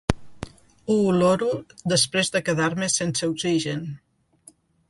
Ho oloro després de quedar-me sense oxigen.